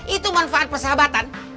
itu manfaat persahabatan